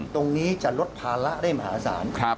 ตรงนี้จะลดภาระได้มหาศาล